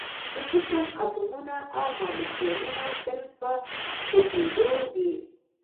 د جسم اتومونه او مالیکولونه تل په خوځیدو دي.